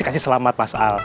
kasih selamat mas al